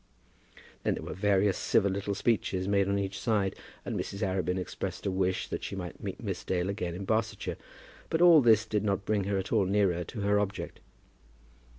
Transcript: Then there were various civil little speeches made on each side, and Mrs. Arabin expressed a wish that she might meet Miss Dale again in Barsetshire. But all this did not bring her at all nearer to her object.